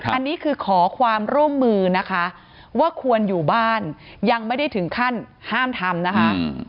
อันนี้คือขอความร่วมมือนะคะว่าควรอยู่บ้านยังไม่ได้ถึงขั้นห้ามทำนะคะ